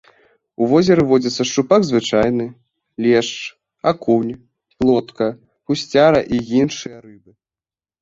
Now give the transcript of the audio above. У возеры водзяцца шчупак звычайны, лешч, акунь, плотка, гусцяра і іншыя рыбы.